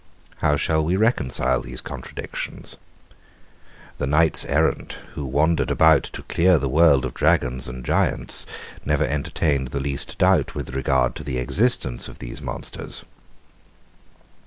How shall we reconcile these contradictions? The knights errant, who wandered about to clear the world of dragons and giants, never entertained the least doubt with regard to the existence of these monsters.